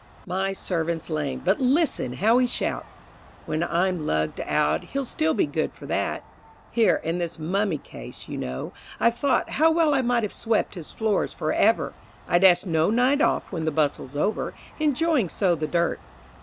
My servant's lamed, but listen how he shouts! When I'm lugged out, he'll still be good for that. Here in this mummy case, you know, I've thought How well I might have swept his floors for ever, I'd ask no night off when the bustle's over, Enjoying so the dirt.